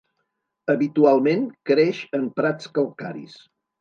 Habitualment, creix en prats calcaris.